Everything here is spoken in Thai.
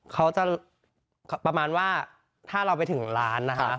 เขาจะประมาณว่าถ้าเราไปถึงร้านนะคะ